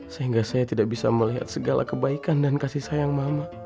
sehingga saya tidak bisa melihat segala kebaikan dan kasih sayang mama